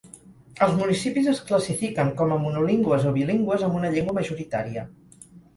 Els municipis es classifiquen com a monolingües o bilingües amb una llengua majoritària.